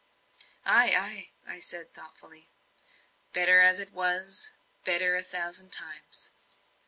'" "Ay, ay," said I thoughtfully. Better as it was; better a thousand times.